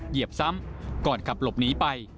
เหยียบซ้ำก่อนขับหลบหนีไป